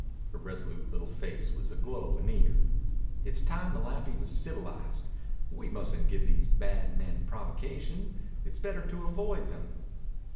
Her resolute little face was aglow and eager. "It's time Malapi was civilized. We mustn't give these bad men provocation. It's better to avoid them."